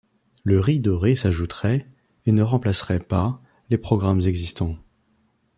Le riz doré s'ajouterait, et ne remplacerait pas, les programmes existants.